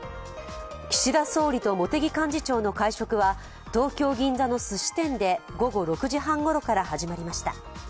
岸田総理と茂木幹事長の会食は東京・銀座のすし店で午後６時半ごろから始まりました。